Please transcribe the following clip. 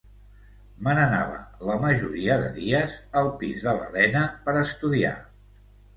Me n’anava la majoria de dies al pis de l’Elena per estudiar.